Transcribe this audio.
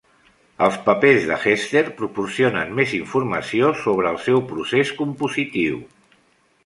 Els papers de Hester proporcionen més informació sobre el seu procés compositiu.